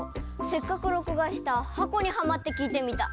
せっかくろくがした「はこにハマってきいてみた」